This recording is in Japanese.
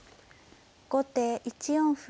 後手１四歩。